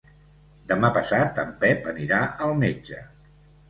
Demà passat en Pep anirà al metge.